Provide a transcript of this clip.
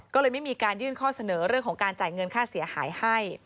ก็เลยไม่มีการยื่นข้อเสนอเรื่องของการจ่ายเงินค่าเสียหายให้